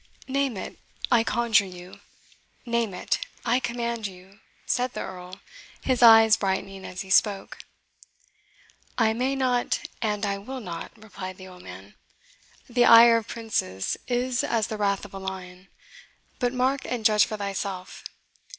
"Name it, I conjure you name it, I command you!" said the Earl, his eyes brightening as he spoke. "I may not, and I will not," replied the old man. "The ire of princes is as the wrath of the lion. But mark, and judge for thyself.